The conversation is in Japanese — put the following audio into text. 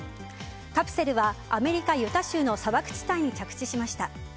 カプセルはアメリカ・ユタ州の砂漠地帯に着地しました。